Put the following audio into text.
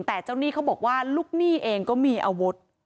แต่เจ้าหนี้เขาบอกว่าลูกหนี้เองก็มีอาวุธ